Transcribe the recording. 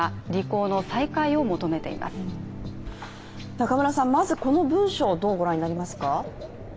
中村さん、まずこの文書、どうご覧になりますか？